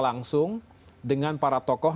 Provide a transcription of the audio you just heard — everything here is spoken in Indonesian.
langsung dengan para tokoh